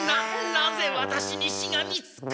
なぜワタシにしがみつく？